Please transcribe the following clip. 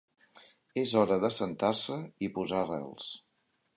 És hora d'assentar-se i posar arrels.